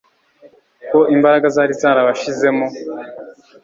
ko imbaraga zari zarabashizemo